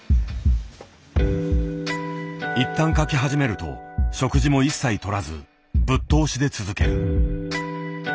一旦描き始めると食事も一切とらずぶっ通しで続ける。